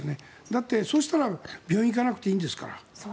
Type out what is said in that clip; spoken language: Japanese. だってそうしたら病院に行かなくていいんですから。